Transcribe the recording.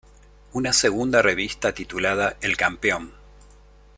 Una segunda revista titulada "El Campeón.